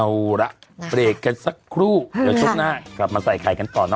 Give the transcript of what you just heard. เอาละเบรกกันสักครู่เดี๋ยวช่วงหน้ากลับมาใส่ไข่กันต่อเน